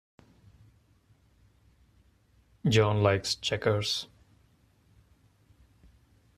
John likes checkers.